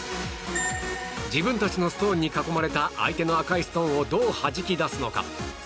自分たちのストーンに囲まれた相手の赤いストーンをどうはじき出すのか。